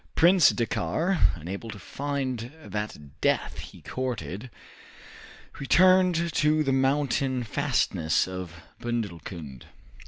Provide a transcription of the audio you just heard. Prince Dakkar, unable to find that death he courted, returned to the mountain fastnesses of Bundelkund.